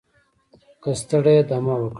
که ستړی یې دمه وکړه